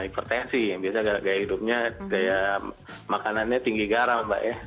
tertensi gaya hidupnya gaya makanannya tinggi garam mbak ya